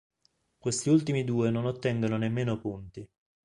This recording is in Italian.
Questi ultimi due non ottengono nemmeno punti.